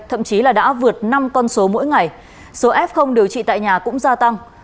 thậm chí là đã vượt năm con số mỗi ngày số f không điều trị tại nhà cũng gia tăng